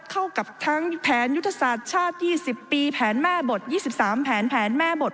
เข้ากับทั้งแผนยุทธศาสตร์ชาติ๒๐ปีแผนแม่บท๒๓แผนแผนแม่บท